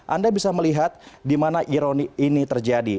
anda bisa melihat di mana ironi ini terjadi